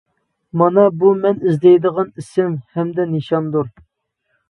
مانا بۇ مەن ئىزدەيدىغان ئىسىم ھەمدە نىشاندۇر.